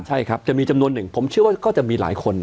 ใช่ครับจะมีจำนวนหนึ่งผมเชื่อว่าก็จะมีหลายคน